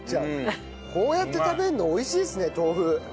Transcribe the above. こうやって食べるの美味しいですね豆腐。